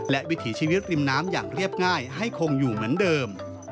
และวิถีชีวิตริมน้ำอย่างเรียบง่ายให้คงอยู่เหมือนเดิม